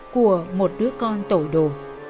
của một đứa con tội đồ